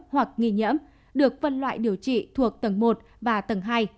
hoặc nghi nhiễm được phân loại điều trị thuộc tầng một và tầng hai